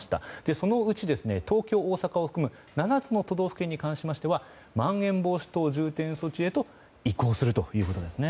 そのうち、東京、大阪を含む７つの都道府県に関してはまん延防止等重点措置へと移行するということです。